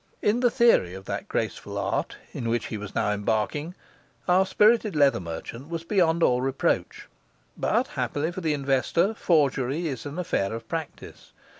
In the theory of that graceful art in which he was now embarking, our spirited leather merchant was beyond all reproach. But, happily for the investor, forgery is an affair of practice.